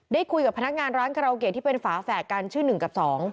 ได้คุยกับพนักงานร้านคาราโอเกะที่เป็นฝาแฝดกันชื่อ๑กับ๒